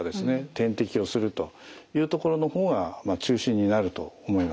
点滴をするというところの方が中心になると思います。